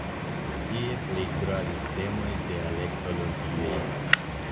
Tie plej gravis temoj dialektologiaj.